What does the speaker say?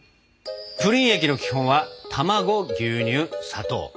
プリン液の基本は卵牛乳砂糖。